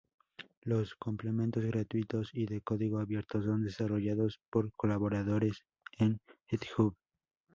Los complementos gratuitos y de código abierto son desarrollados por colaboradores en GitHub.